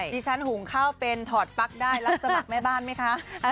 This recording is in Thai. ดิฉันหุงข้าวเป็นถอดปลั๊กได้รับสมัครแม่บ้านไหมคะ